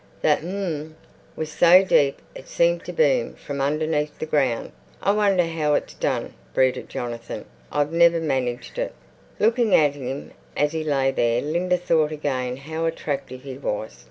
The "Hum" was so deep it seemed to boom from underneath the ground. "I wonder how it's done," brooded Jonathan; "I've never managed it." Looking at him as he lay there, Linda thought again how attractive he was.